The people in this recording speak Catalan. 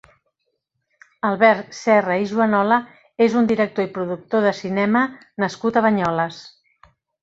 Albert Serra i Juanola és un director i productor de cinema nascut a Banyoles.